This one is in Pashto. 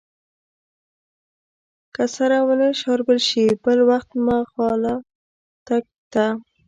که سره ونه شاربل شي بل وخت مغالطه ده.